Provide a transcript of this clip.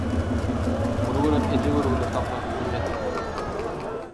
Muny gören eje görgüli saklanyp bilmedi –